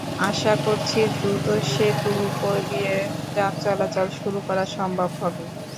আশা করছি, দ্রুত সেতুর ওপর দিয়ে যান চলাচল শুরু করা সম্ভব হবে।